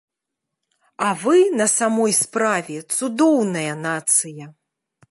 А вы, на самой справе, цудоўная нацыя.